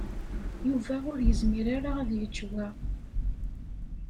Yuba ur yezmir ara ad yečč wa.